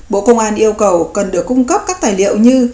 bộ công an yêu cầu cần được cung cấp các tài liệu như